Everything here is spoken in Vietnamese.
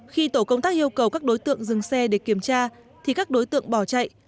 khi tổ công tác yêu cầu các đối tượng dừng xe để kiểm tra thì các đối tượng bỏ chạy